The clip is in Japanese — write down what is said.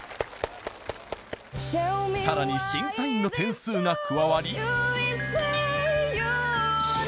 更に審査員の点数が加わり。